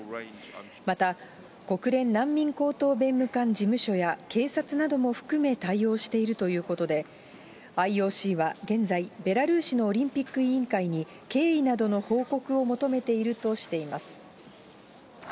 また、国連難民高等弁務官事務所や、警察なども含め対応しているということで、ＩＯＣは現在、ベラルーシのオリンピック委員会に経緯などの報告を求めているとしています。